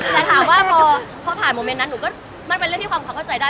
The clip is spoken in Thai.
แต่ถามว่าพอผ่านโมเมนต์นั้นหนูก็มันเป็นเรื่องที่ความเขาเข้าใจได้